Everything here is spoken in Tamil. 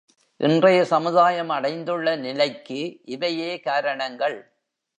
இன்றைய சமுதாயம் அடைந்துள்ள நிலைக்கு இவையே காரணங்கள்.